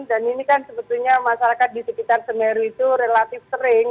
dan ini kan sebetulnya masyarakat di sekitar semeru itu relatif sering